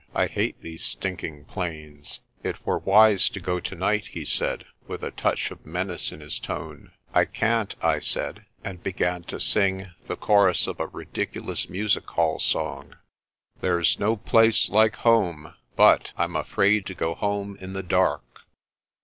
I hate these stinking plains." "It were wise to go tonight," he said, with a touch of menace in his tone. "I can't," I said, and began to sing the chorus of a ridic ulous music hall song. 114 PRESTER JOHN "There's no place like home but Pm afraid to go home in the dark."